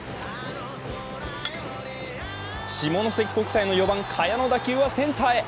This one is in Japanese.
下関国際の４番、賀谷の打点はセンターへ。